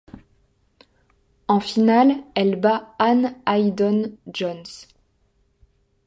En finale, elle bat Ann Haydon-Jones.